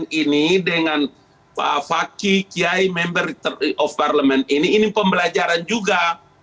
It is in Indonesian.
saya ingin mengingatkan kepada pak fakih kiai member ritual of parliament ini ini pembelajaran juga